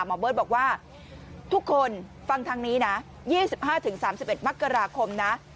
หมอเบิร์ตบอกว่าทุกคนฟังทางนี้นะยี่สิบห้าถึงสามสิบเอ็ดมักกราคมนะ